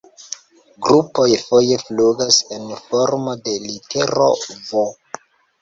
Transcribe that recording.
Grupoj foje flugas en formo de litero "V".